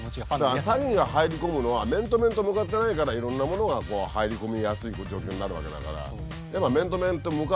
だから詐欺が入り込むのは面と面と向かってないからいろんなものが入り込みやすいっていう状況になるわけだから。